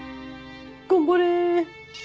頑張れ！